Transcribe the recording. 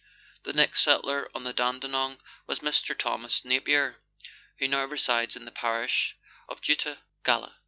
The next settler on the Dandenong was Mr. Thomas Napier, who now resides in the parish of Doutta Galla.